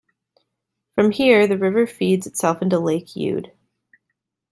From here the river feeds itself into Lake Youd.